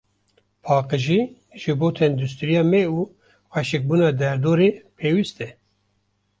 Paqijî, ji bo tendirûstiya me û xweşikbûna derdorê, pêwîst e.